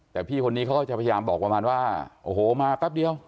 แต่พี่คนนี้เขาก็จะพยายามบอกประมาณว่าโอ้โหมาแป๊บเดียว